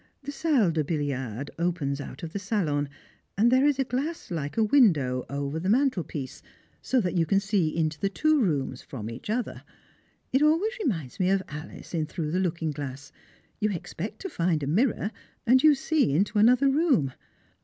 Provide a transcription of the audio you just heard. The salle de billard opens out of the salon, and there is a glass like a window over the mantelpiece, so that you can see into the two rooms from each other. It always reminds me of Alice, in "Through the Looking Glass" you expect to find a mirror, and you see into another room.